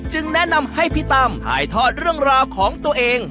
แนะนำให้พี่ตั้มถ่ายทอดเรื่องราวของตัวเอง